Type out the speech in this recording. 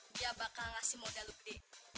dia bakal ngasih modal lu gede